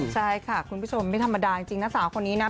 ใช่ค่ะคุณผู้ชมไม่ธรรมดาจริงนะสาวคนนี้นะ